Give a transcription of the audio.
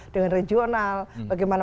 dengan regional bagaimana